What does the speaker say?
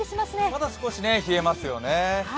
まだ少し冷えますよね。